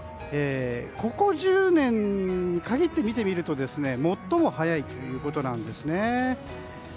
ここ１０年に限って見てみると最も早いということなんです。